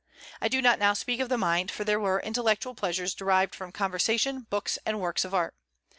I do not now speak of the mind, for there were intellectual pleasures derived from conversation, books, and works of art.